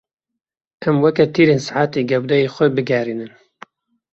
Em weke tîrên saetê gewdeyê xwe bigerînin.